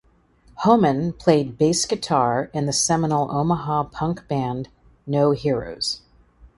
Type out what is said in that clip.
Homan played bass guitar in the seminal Omaha punk band No Heroes.